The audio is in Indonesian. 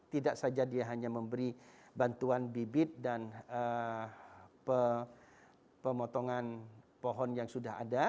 tidak saja dia hanya memberi bantuan bibit dan pemotongan pohon yang sudah ada